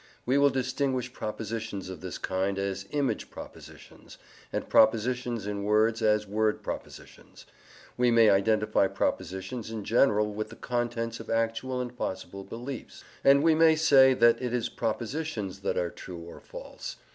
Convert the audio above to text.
We will distinguish propositions of this kind as "image propositions" and propositions in words as "word propositions." We may identify propositions in general with the contents of actual and possible beliefs, and we may say that it is propositions that are true or false.